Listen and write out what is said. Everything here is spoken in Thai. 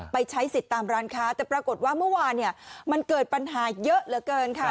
ไปใช้สิทธิ์ตามร้านค้าแต่ปรากฏว่าเมื่อวานเนี่ยมันเกิดปัญหาเยอะเหลือเกินค่ะ